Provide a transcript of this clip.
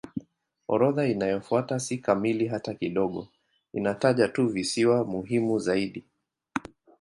Orodha inayofuata si kamili hata kidogo; inataja tu visiwa muhimu zaidi.